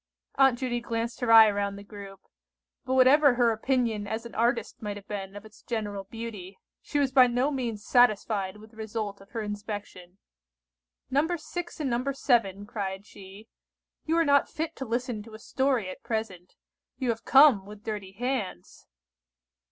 Aunt Judy glanced her eye round the group; but whatever her opinion as an artist might have been of its general beauty, she was by no means satisfied with the result of her inspection. "No. 6 and No. 7," cried she, "you are not fit to listen to a story at present. You have come with dirty hands."